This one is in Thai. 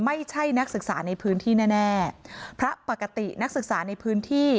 ไม่ใช่นักศึกษาในพื้นที่แน่แน่พระปกตินักศึกษาในพื้นที่